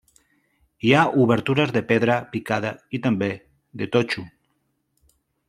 Hi ha obertures de pedra picada i també de totxo.